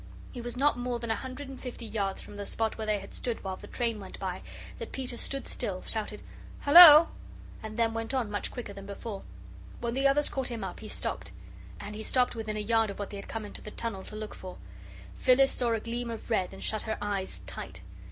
It was not more than a hundred and fifty yards from the spot where they had stood while the train went by that Peter stood still, shouted "Hullo," and then went on much quicker than before. When the others caught him up, he stopped. And he stopped within a yard of what they had come into the tunnel to look for. Phyllis saw a gleam of red, and shut her eyes tight.